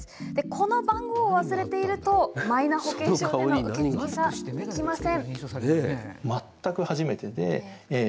この番号を忘れているとマイナ保険証での受付ができません。